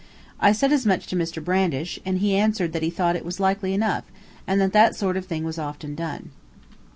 I said as much to Mr. Brandish, and he answered that he thought it was likely enough, and that that sort of thing was often done.